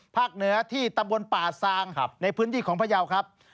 ภาคเหนือที่ตะบนป่าสางในพื้นที่ของพระเยาว์ครับ